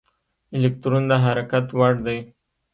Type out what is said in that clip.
الکترون د حرکت وړ دی.